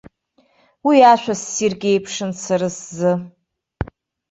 Уи ашәа ссирк еиԥшын сара сзы.